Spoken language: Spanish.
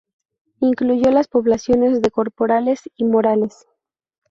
Incluye las poblaciones de Corporales y Morales.